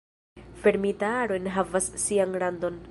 Fermita aro enhavas sian randon.